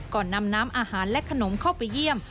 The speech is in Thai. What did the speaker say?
ก่อนนำน้ำอาหารและขนมเข้าไปเยี่ยม